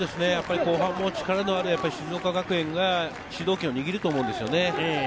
後半も力のある静岡学園が主導権を握ると思うんですよね。